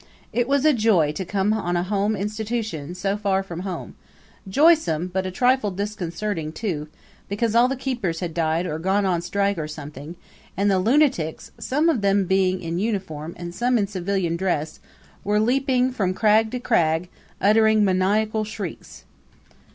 It was a joy to come on a home institution so far from home joysome, but a trifle disconcerting too, because all the keepers had died or gone on strike or something; and the lunatics, some of them being in uniform and some in civilian dress, were leaping from crag to crag, uttering maniacal shrieks.